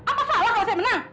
apa salah kalau saya menang